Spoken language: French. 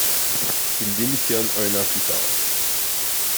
Il démissionne un an plus tard.